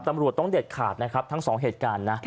ตำรวจต้องเด็ดขาดนะครับทั้งสองเหตุการณ์นะ